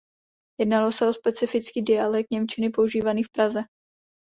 Jednalo se o specifický dialekt němčiny používaný v Praze.